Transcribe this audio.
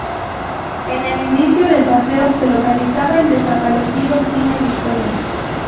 En el inicio del paseo se localizaba el desaparecido cine Victoria.